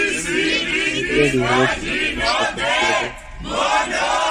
ملګری د زړه خزانې ساتونکی دی